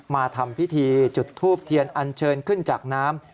มาทำพิธีจุดทูบเทียนอันเชิญขึ้นจากน้ำ